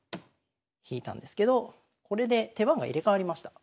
引いたんですけどこれで手番が入れ代わりました。